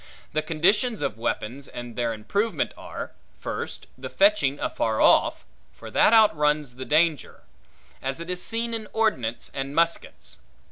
The conditions of weapons, and their improvement, are; First, the fetching afar off; for that outruns the danger; as it is seen in ordnance and muskets.